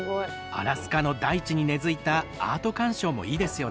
アラスカの大地に根づいたアート鑑賞もいいですよね。